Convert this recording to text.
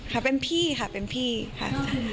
ค่ะเป็นพี่ค่ะเป็นพี่ค่ะ